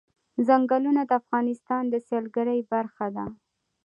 ځنګلونه د افغانستان د سیلګرۍ برخه ده.